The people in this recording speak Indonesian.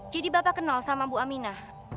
jadi bapak kenal sama bu aminah